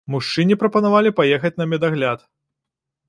Мужчыне прапанавалі паехаць на медагляд.